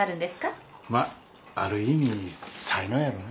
ある意味才能やろな。